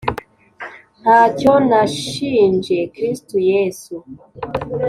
ntacyo nashinje kristo yesu